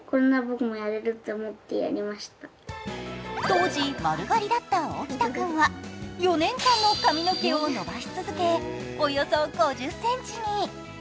当時、丸刈りだった沖田君は４年間も髪の毛を伸ばし続け、およそ５０ｃｍに。